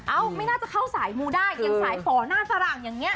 เอ้าไม่น่าจะเข้าสายมูได้ยังสายฝ่อน่าสร่างอย่างเนี่ย